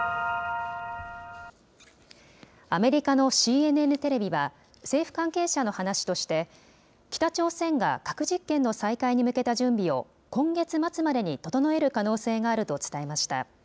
アメリカのＣＮＮテレビは、政府関係者の話として、北朝鮮が核実験の再開に向けた準備を、今月末までに整える可能性があると伝えました。